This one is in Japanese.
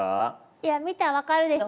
いや見たら分かるでしょ！